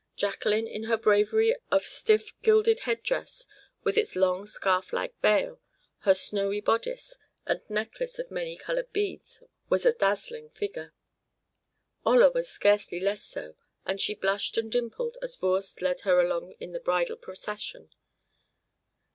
Jacqueline in her bravery of stiff gilded head dress with its long scarf like veil, her snowy bodice, and necklace of many colored beads, was a dazzling figure. Olla was scarcely less so, and she blushed and dimpled as Voorst led her along in the bridal procession.